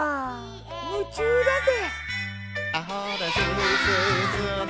夢中だぜ。